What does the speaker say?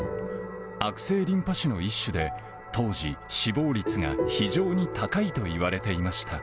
悪性リンパ腫の一種で、当時、死亡率が非常に高いといわれていました。